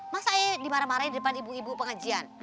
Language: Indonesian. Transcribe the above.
masa ayo dimarah marahin depan ibu ibu pengajian